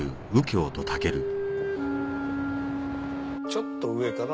ちょっと上かな。